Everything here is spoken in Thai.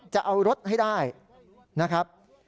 จะเอารถให้ได้นะครับ